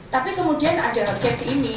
tapi kemudian ada kesi ini